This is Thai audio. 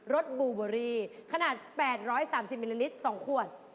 สบูเบอรี่ขนาด๘๓๐มิลลิลิตร๒ขวด